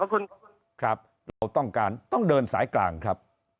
ครับเราต้องการต้องเดินสายกลางครับ